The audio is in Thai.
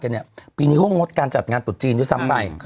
ยาวราชกันเนี่ยปีนี้เขางดการจัดงานตรุษจีนอยู่ซ้ำไป